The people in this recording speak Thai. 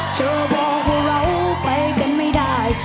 เธอบอกให้เราไปกันไม่ได้